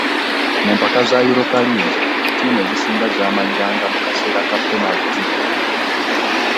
Mu mpaka za yuropa liigi, ttiimu ezisinga z'amaliranga mu kaseera ka penaluti